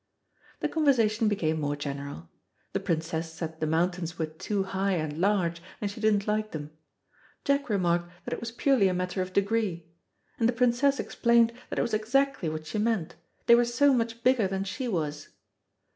The conversation became more general. The Princess said the mountains were too high and large, and she didn't like them. Jack remarked that it was purely a matter of degree, and the Princess explained that it was exactly what she meant, they were so much bigger than she was.